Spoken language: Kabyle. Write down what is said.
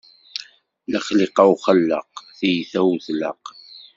Lexliqa uxellaq, tiyta ur tlaq.